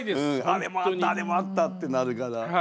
あれもあったってなるから。